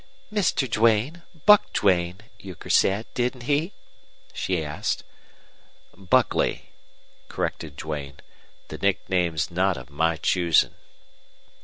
"Mr. Duane Buck Duane, Euchre said, didn't he?" she asked. "Buckley," corrected Duane. "The nickname's not of my choosing."